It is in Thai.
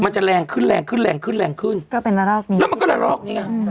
มันจะแรงขึ้นแรงขึ้นแรงขึ้นแรงขึ้นก็เป็นระลอกนี้แล้วมันก็ระลอกนี้ไง